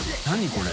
これ。